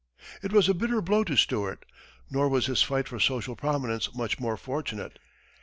It was a bitter blow to Stewart, nor was his fight for social prominence much more fortunate.